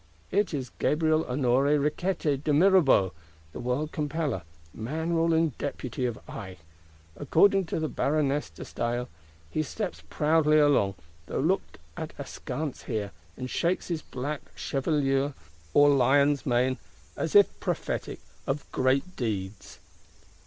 It is Gabriel Honoré Riquetti de Mirabeau, the world compeller; man ruling Deputy of Aix! According to the Baroness de Staël, he steps proudly along, though looked at askance here, and shakes his black chevelure, or lion's mane; as if prophetic of great deeds.